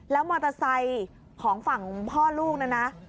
แล้วมอเตอร์ไซค์ของฝั่งพ่อลูกนะนะ